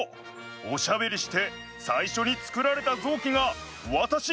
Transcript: おしゃべりしてさいしょにつくられたぞうきがわたし！